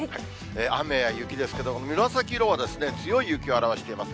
雨や雪ですけども、紫色は強い雪を表しています。